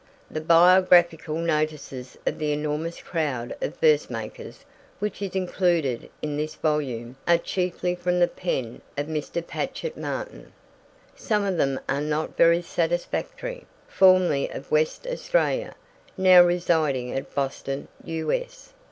The biographical notices of the enormous crowd of verse makers which is included in this volume are chiefly from the pen of Mr. Patchett Martin. Some of them are not very satisfactory. 'Formerly of West Australia, now residing at Boston, U.S.